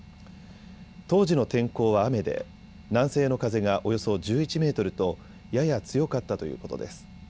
当時の天候は雨で南西の風がおよそ１１メートルとやや強かったということです。